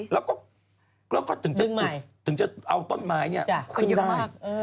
แล้วก็ถึงจะเอาต้นไม้ขึ้นได้